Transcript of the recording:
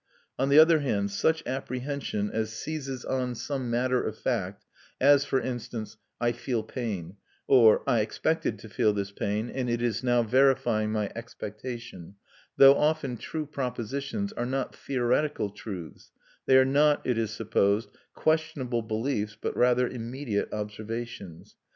On the other hand, such apprehension as seizes on some matter of fact, as, for instance, "I feel pain," or "I expected to feel this pain, and it is now verifying my expectation," though often true propositions, are not theoretical truths; they are not, it is supposed, questionable beliefs but rather immediate observations.